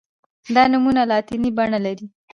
دا نومونه لاتیني بڼه لري.